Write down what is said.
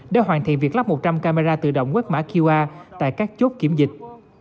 để hoàn thiện việc lắp một trăm linh camera tự động quét mã qr tại các chốt kiểm dịch